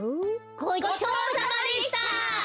ごちそうさまでした！